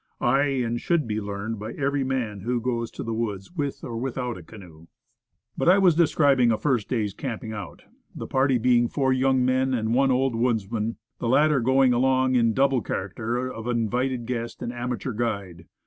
Aye, and should be learned by every man who goes to the woods with or without a canoe. But, I was describing a first day's camping out, the party being four young men and one old woodsman, the latter going along in a double character of invited 74 Woodcraft. guest and amateur guide.